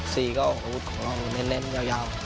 สี่ก็อาวุธของเราเล่นยาว